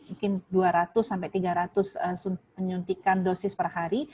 mungkin dua ratus sampai tiga ratus penyuntikan dosis per hari